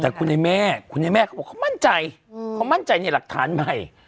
แต่คุณไอ้แม่คุณไอ้แม่เขาบอกเขามั่นใจเขามั่นใจในหลักฐานใหม่